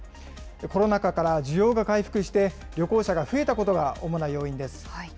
コロナ禍から需要が回復して、旅行者が増えたことが主な要因です。